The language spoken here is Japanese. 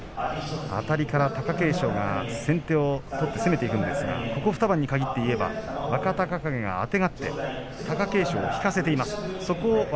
あたりから貴景勝が先手を取って攻めていくんですがここ２番については若隆景があてがって引かせています。